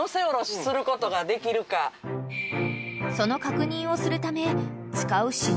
［その確認をするため］